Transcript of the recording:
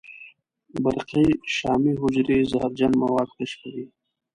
برقي شامي حجرې زهرجن مواد کشفوي.